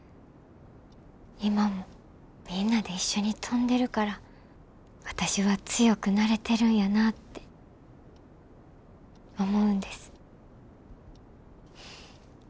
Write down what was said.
今もみんなで一緒に飛んでるから私は強くなれてるんやなって思うんです。